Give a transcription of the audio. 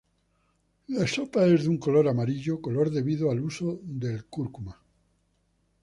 La sopa es de un color amarillo color debido al uso de curcuma.